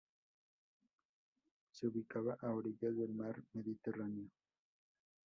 Se ubicaba a orillas del Mar Mediterráneo.